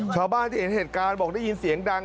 ชาวบ้านที่เห็นเหตุการณ์บอกได้ยินเสียงดัง